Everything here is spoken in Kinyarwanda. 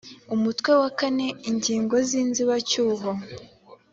umutwe wa kane ingingo z inzibacyuho